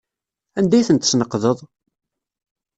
Anda ay ten-tesneqdeḍ?